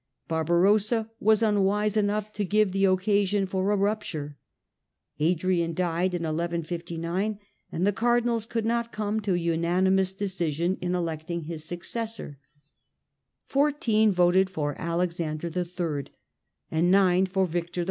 Barbarossa was unwise enough to give the occasion for a rupture. Adrian died in 1159 and the cardinals could not come to a unanimous decision in electing his A HERITAGE OF STRIFE 21 successor. Fourteen voted for Alexander III and nine for Victor IV.